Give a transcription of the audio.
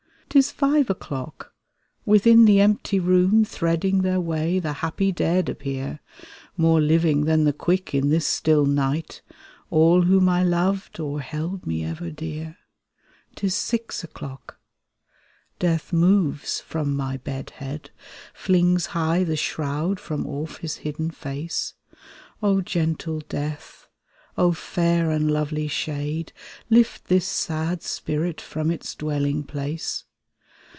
'Tis five o'clock! Within the empty room, Threading their way, the happy dead appear, More living than the quick in this still night — All whom I loved or held me ever dear. 'Tis six o'clock! Death moves from my bed head. Flings high the shroud from off his hidden face. "O gentle death ! O fair and lovely shade, Lift this sad spirit from its dwelling place